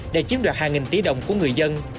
để chiếm đoạt hàng nghìn tỷ đồng của người dân